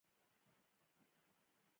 اشرف خان ویل ښځې له سبق سره څه کار لري